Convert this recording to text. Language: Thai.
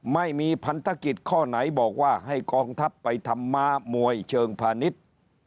ไม่มีพันธกิจข้อไหนบอกว่าให้กองทัพไปทำม้ามวยเชิงพาณิชย์